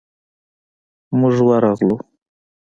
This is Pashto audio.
موږ ورغلو.